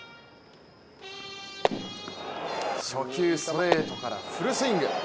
初球ストレートからフルスイング。